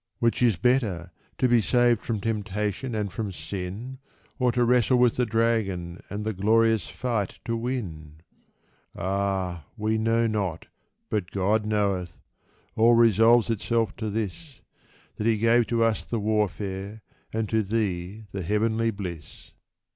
Which is better — to be saved from temptation and from sin, Or to wrestle with the dragon and the glorious fight to win ? Ah ! we know not, but God knoweth ! All resolves itself to this— That He gave to us the warfare, and to thee the heavenly bliss.